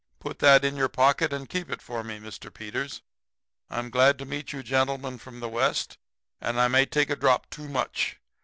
Put that in your pocket and keep it for me, Mr. Peters. I'm glad to meet you gentlemen from the West, and I may take a drop too much.